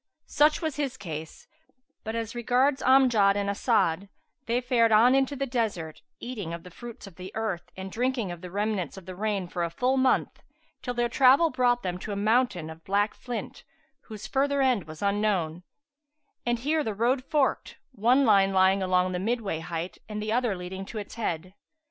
Such was his case; but as regards Amjad and As'ad they fared on into the desert eating of the fruits of the earth and drinking of the remnants of the rain for a full month, till their travel brought them to a mountain of black flint[FN#377] whose further end was unknown; and here the road forked, one line lying along the midway height and the other leading to its head.